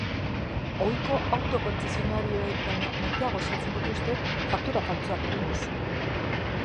Ohiko auto kontzesionarioek baino merkeago saltzen dituzte faktura faltsuak eginez.